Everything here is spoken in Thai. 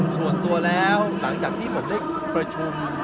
ส่วนตัวแล้วหลังจากที่ผมได้ประชุม